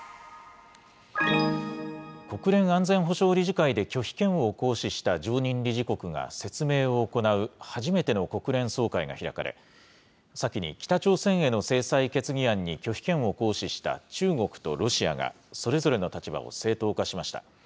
国連安全保障理事会で拒否権を行使した常任理事国が説明を行う、初めての国連総会が開かれ、先に北朝鮮への制裁決議案に拒否権を行使した中国とロシアが、それぞれの立場を正当化しました。